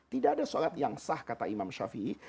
tidak ada sholat yang sah kata imam shafi'i